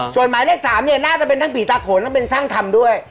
ส่วนหมายเลข๓เนี่ยน่าจะเป็นทั้งผีตาโขนต้องเป็นช่างทำด้วย